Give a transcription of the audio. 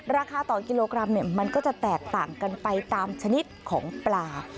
ราคาต่อกิโลกรัมมันก็จะแตกต่างกันไปตามชนิดของปลา